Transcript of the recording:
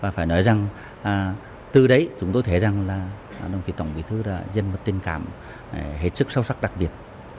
phải nói rằng từ đấy chúng tôi thấy rằng là đồng chí tổng bí thư là dân mật tên cảm hết sức sâu sắc đặc biệt